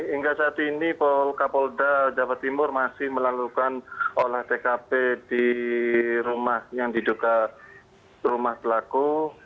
hingga saat ini kapolda jawa timur masih melalukan olah tkp di rumah yang diduga rumah pelaku